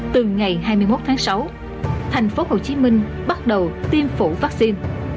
từ ngày hai mươi một tháng sáu thành phố hồ chí minh bắt đầu tiêm phủ vaccine